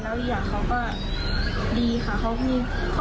และเวียนต้องดีค่ะ